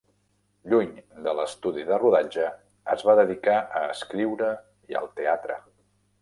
Lluny de l'estudi de rodatge, es va dedicar a escriure i al teatre.